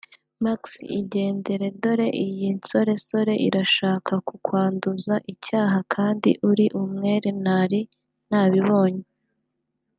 Maxi igendere dore iyi nsoresore irashaka kukwanduza icyaha kandi uri umwere nari nabibonye